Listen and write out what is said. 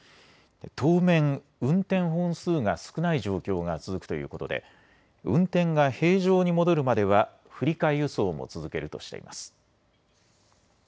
当面、運転本数が少ない状況が続くということで運転が平常に戻るまでは振り替え輸送も続けるとしています。